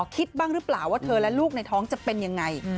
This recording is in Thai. คิดบ้างหรือเปล่าว่าเธอและลูกในท้องจะเป็นยังไง